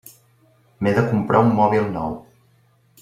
M'he de comprar un mòbil nou.